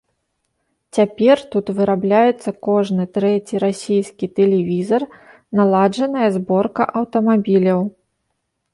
Цяпер тут вырабляецца кожны трэці расійскі тэлевізар, наладжаная зборка аўтамабіляў.